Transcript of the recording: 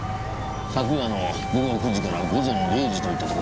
昨夜の午後９時から午前０時といったとこでしょうかね。